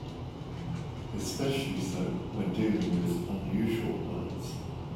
Especially so when dealing with unusual words.